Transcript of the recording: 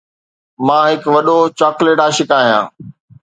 مان هڪ وڏو چاکليٽ عاشق آهيان.